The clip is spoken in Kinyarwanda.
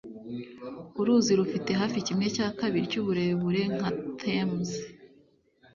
Uruzi rufite hafi kimwe cya kabiri cyuburebure nka Thames.